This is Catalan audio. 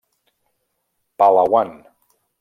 Palawan.